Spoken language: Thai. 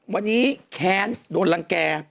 วันนี้แค้นโดนรังแก่